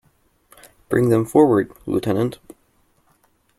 Bring them forward, lieutenant.